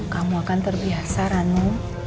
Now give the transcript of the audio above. kamu akan terbiasa ranu